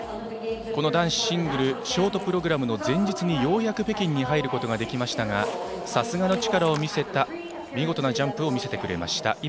この男子シングルショートプログラムの前日にようやく北京に入ることができましたがさすがの力を見せた見事なジャンプを見せてくれました。